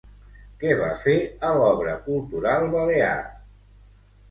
Què va fer a l'Obra Cultural Balear?